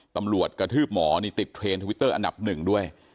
ตำรวจกระทืบหมอนี่ติดเทรนด์ทวิตเตอร์อันดับหนึ่งด้วย